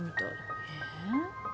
えっ！？